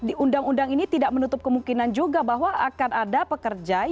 nah dimana undang undang ini tidak menutup kemungkinan juga bahwa akan ada pekerja kontrak